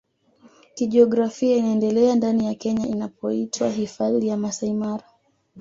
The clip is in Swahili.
Kijiografia inaendelea ndani ya Kenya inapoitwa Hifadhi ya Masai Mara